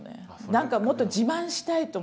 何かもっと自慢したいと思って。